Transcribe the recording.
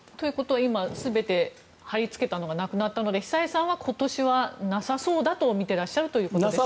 今、全て貼り付けたのがなくなったので久江さんは今年はなさそうだとみていらっしゃるということでしょうか。